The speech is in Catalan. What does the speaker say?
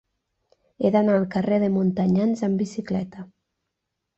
He d'anar al carrer de Montanyans amb bicicleta.